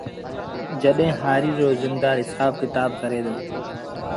جڏهيݩ هآريٚ رو زميݩدآر هسآب ڪتآب ڪري دو